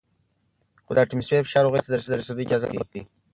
خو د اتموسفیر فشار هغوی ته د رسیدو اجازه نه ورکوي.